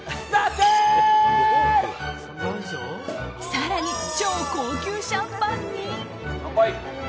更に超高級シャンパンに。